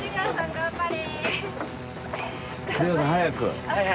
頑張れ。